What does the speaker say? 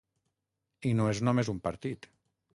I no és només un partit